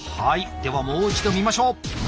ではもう一度見ましょう！